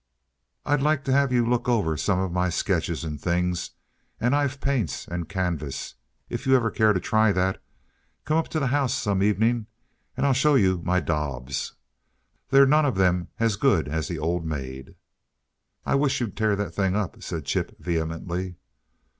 "I'd like to have you look over some of my sketches and things and I've paints and canvas, if you ever care to try that. Come up to the house some evening and I'll show you my daubs. They're none of them as good as 'The Old Maid.'" "I wish you'd tear that thing up!" said Chip, vehemently.